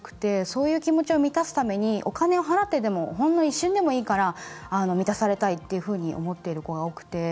そういう気持ちを満たすためにお金を払ってでもほんの一瞬でもいいから満たされたいっていうふうに思っている子が多くて。